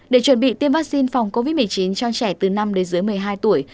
để chuẩn bị tiêm vaccine phòng covid một mươi chín cho trẻ từ năm đến dưới một mươi hai tuổi